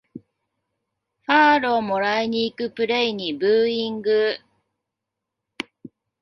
ファールをもらいにいくプレイにブーイング